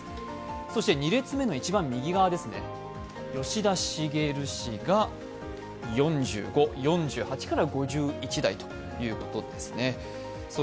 そして２列目の一番右側ですね、吉田茂氏が４５、４８から５１代ということですね。